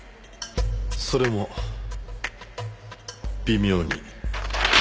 それも微妙に。